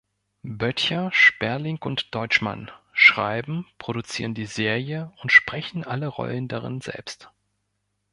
Böttcher, Sperling und Deutschmann schreiben, produzieren die Serie und sprechen alle Rollen darin selbst.